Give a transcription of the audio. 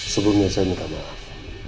sebelumnya saya minta maaf